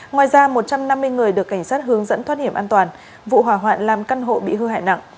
ngoài ra một trăm năm mươi người được cảnh sát hướng dẫn thoát hiểm an toàn vụ hỏa hoạn làm căn hộ bị hư hại nặng